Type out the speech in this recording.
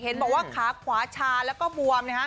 บอกว่าขาขวาชาแล้วก็บวม